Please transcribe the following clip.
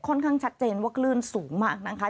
ค่อนข้างชัดเจนว่าคลื่นสูงมากนะคะ